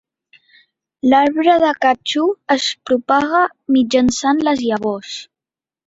L'arbre del catxú es propaga mitjançant les llavors.